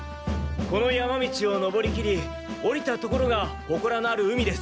この山道を登りきり下りた所がほこらのある海です。